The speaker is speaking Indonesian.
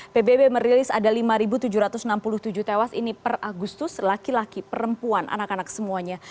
pbb merilis ada lima tujuh ratus enam puluh tujuh tewas ini per agustus laki laki perempuan anak anak semuanya